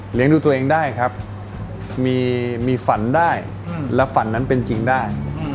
ดูตัวเองได้ครับมีฝันได้และฝันนั้นเป็นจริงได้